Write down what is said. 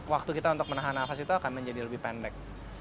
waktu kita untuk menahan nafas itu akan menjadi lebih pendek